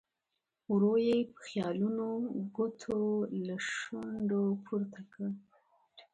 ورو یې په خیالولو ګوتو له شونډو پورته کړ.